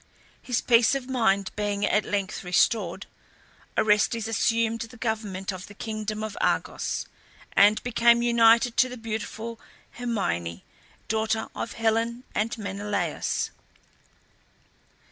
His peace of mind being at length restored, Orestes assumed the government of the kingdom of Argos, and became united to the beautiful Hermione, daughter of Helen and Menelaus.